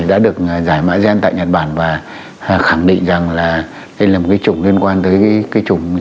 đã được là giải mã gem tại nhật bản và khi chị khẳng định rằng là đây là muốn cái chủng liên quan đến recently virus sars cov hai from fpsg